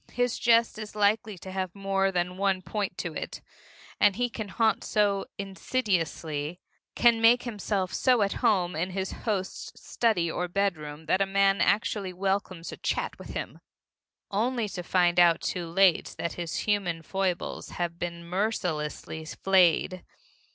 His jest is likely to have more than one point to it, and he can haunt so insidiously, can make himself so at home in his host's study or bedroom that a man actually welcomes a chat with him only to find out too late that his human foibles have been mercilessly flayed.